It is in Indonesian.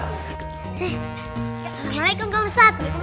assalamualaikum pak ustadz